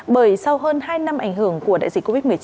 bởi sau hơn hai năm ảnh hưởng của đại dịch covid một mươi chín